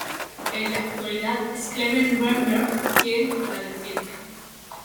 En la actualidad es Clement Greenberg quien la defiende.